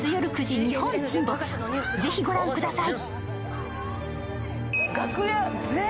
ぜひ御覧ください。